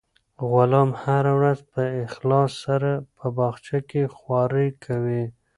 غلام هره ورځ په اخلاص سره په باغچه کې خوارۍ کوي.